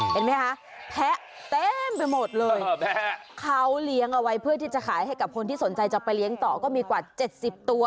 เห็นไหมคะแพะเต็มไปหมดเลยเขาเลี้ยงเอาไว้เพื่อที่จะขายให้กับคนที่สนใจจะไปเลี้ยงต่อก็มีกว่า๗๐ตัว